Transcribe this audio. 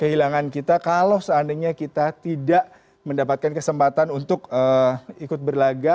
kehilangan kita kalau seandainya kita tidak mendapatkan kesempatan untuk ikut berlaga